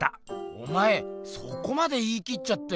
おまえそこまで言いきっちゃって。